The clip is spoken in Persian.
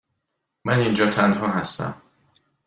من اینجا تنها هستم.